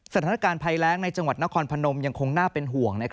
สถานการณ์ภัยแรงในจังหวัดนครพนมยังคงน่าเป็นห่วง